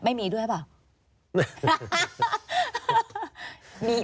ไม่มีด้วยหรือเปล่า